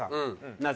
なぜ？